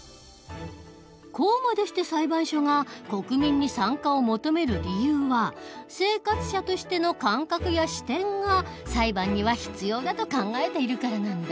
こうまでして裁判所が国民に参加を求める理由は生活者として感覚や視点が裁判には必要だと考えているからなんだ。